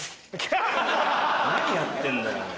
何やってんだよ。